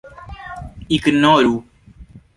ignoru